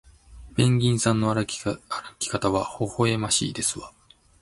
ペンギンさんの歩き方はほほえましいですわ